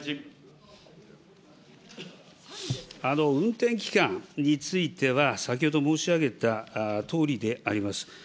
運転期間については、先ほど申し上げたとおりであります。